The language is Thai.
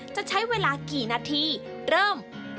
จะใช้เวลากี่นาทีเริ่ม